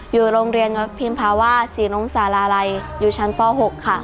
อยู่โรงเรียนพิมพาว่าศรีลงศาลาลัยอยู่ชั้นป่อหกค่ะ